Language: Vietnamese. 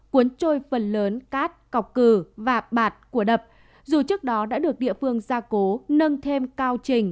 cuốn trôi phần lớn cát cọc cử và bạt của đập dù trước đó đã được địa phương gia cố nâng thêm cao trình